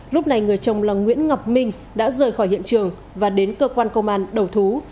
lúc này người chồng là nguyễn ngọc minh đã rời khỏi hiện trường và đến cơ quan công an đầu thú